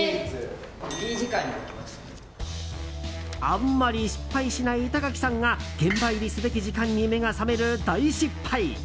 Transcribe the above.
あんまり失敗しない板垣さんが現場入りすべき時間に目が覚める大失敗。